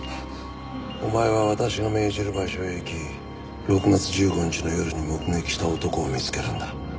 お前は私が命じる場所へ行き６月１５日の夜に目撃した男を見つけるんだ。